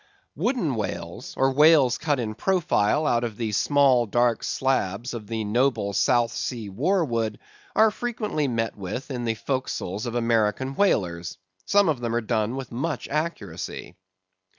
Wooden whales, or whales cut in profile out of the small dark slabs of the noble South Sea war wood, are frequently met with in the forecastles of American whalers. Some of them are done with much accuracy.